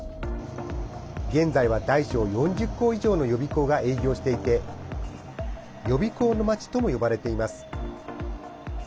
現在は大小４０校以上の予備校が営業していて予備校の街とも呼ばれています。